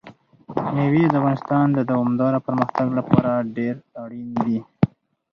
مېوې د افغانستان د دوامداره پرمختګ لپاره ډېر اړین دي.